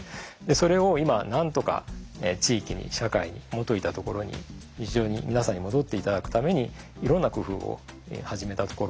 それを今なんとか地域に社会に元いたところに日常に皆さんに戻って頂くためにいろんな工夫を始めたところかなと思います。